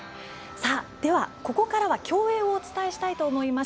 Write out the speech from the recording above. では、ここからは競泳をお伝えします。